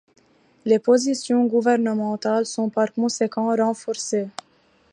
Les positions gouvernementales sont par conséquent renforcées.